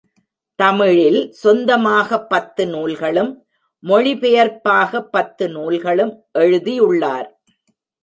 தமிழில் சொந்தமாக பத்து நூல்களும், மொழி பெயர்ப்பாக பத்து நூல்களும் எழுதியுள்ளார்.